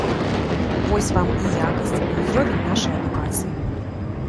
Вось вам і якасць, і ўзровень нашай адукацыі.